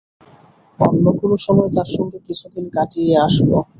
অন্য কোন সময় তাঁর সঙ্গে কিছুদিন কাটিয়ে আসব।